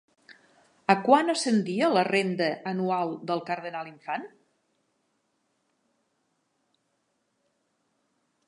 A quant ascendia la renda anual del cardenal-infant?